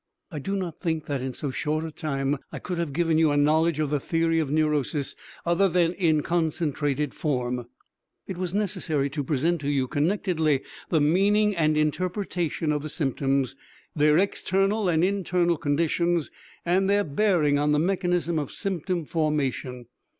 I do not think that in so short a time I could have given you a knowledge of the theory of neurosis other than in concentrated form. It was necessary to present to you connectedly the meaning and interpretation of the symptoms, their external and internal conditions and their bearing on the mechanism of symptom formation.